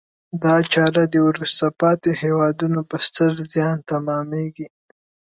دا چاره د وروسته پاتې هېوادونو په ستر زیان تمامیږي.